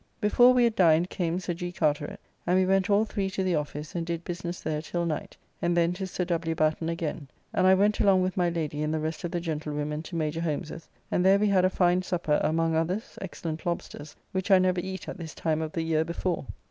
Before we had dined came Sir G. Carteret, and we went all three to the office and did business there till night, and then to Sir W. Batten again, and I went along with my lady and the rest of the gentlewomen to Major Holmes's, and there we had a fine supper, among others, excellent lobsters, which I never eat at this time of the year before.